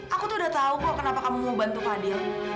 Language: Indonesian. aku tuh udah tau kok kenapa kamu mau bantu kadil